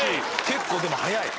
結構でも速い。